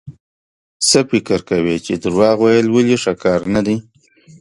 څه فکر کوئ چې دروغ ويل ولې ښه کار نه دی؟